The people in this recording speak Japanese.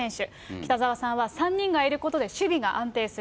北澤さんは、３人がいることで守備が安定する。